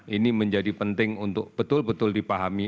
ini menjadi penting untuk betul betul dipahami